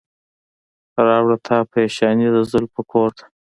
راوړه تا پریشاني د زلفو کور ته.